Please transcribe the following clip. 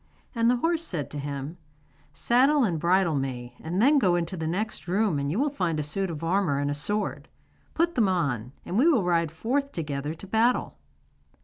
And the horse said to him: 'Saddle and bridle me, and then go into the next room and you will find a suit of armour and a sword. Put them on, and we will ride forth together to battle.